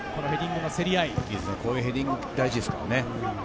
こういうヘディング大事です。